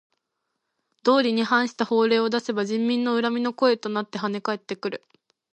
道理に反した法令を出せば人民の恨みの声となってはね返ってくる。